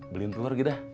beliin telur gitu ah